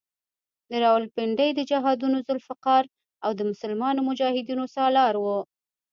د راولپنډۍ د جهادونو ذوالفقار او د مسلمانو مجاهدینو سالار وو.